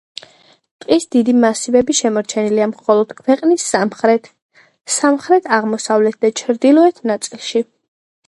ტყის დიდი მასივები შემორჩენილია მხოლოდ ქვეყნის სამხრეთ, სამხრეთ-აღმოსავლეთ და ჩრდილოეთ ნაწილში.